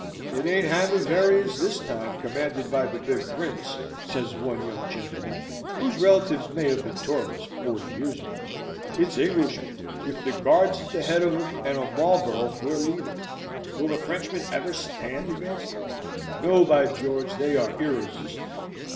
"It ain't Hanoverians this time, commanded by the big Prince," says one young gentleman (whose relatives may have been Tories forty years ago) "it's Englishmen, with the Guards at the head of 'em, and a Marlborough for a leader! Will the Frenchmen ever stand against them? No, by George, they are irresistible."